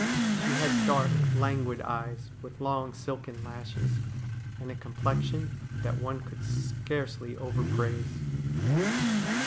She had dark, languid eyes, with long silken lashes, and a complexion that one could scarcely overpraise.